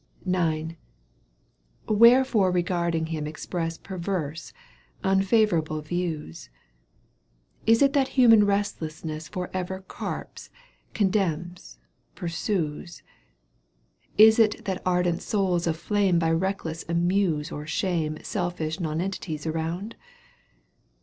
IX, Wherefore regarding him express Perverse, unfavourable views ? Is it that human restlessness For ever carps, condemns, pursues ? Is it that ardent souls of flame By recklessness amuse or shame Selfish nonentities around